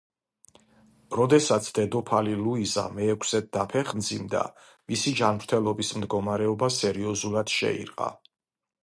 როდესაც დედოფალი ლუიზა მეექვსედ დაფეხმძიმდა მისი ჯანმრთელობის მდგომარეობა სერიოზულად შეირყა.